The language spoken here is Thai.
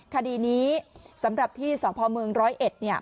คดีนี้สำหรับที่สวพเมือง๑๐๑เนี่ย